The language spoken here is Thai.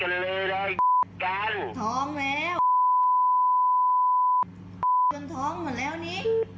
หลงท้องมาแล้วสิ